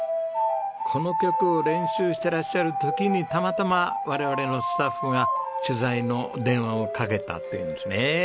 この曲を練習してらっしゃる時にたまたま我々のスタッフが取材の電話をかけたっていうんですね。